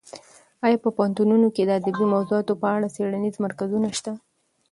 ایا په پوهنتونونو کې د ادبي موضوعاتو په اړه څېړنیز مرکزونه شته؟